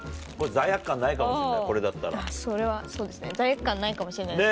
罪悪感ないかもしれないです。